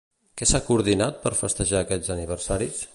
Què s'ha coordinat per festejar aquests aniversaris?